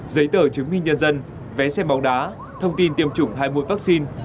giấy tờ chứng minh nhân dân vé xe bóng đá thông tin tiêm chủng hai mũi vaccine